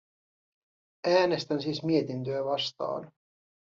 Äänestän siis mietintöä vastaan.